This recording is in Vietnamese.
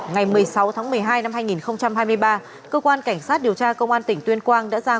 ngày một mươi sáu tháng một mươi hai năm hai nghìn hai mươi ba cơ quan cảnh sát điều tra công an tỉnh tuyên quang đã ra